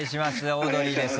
オードリーです。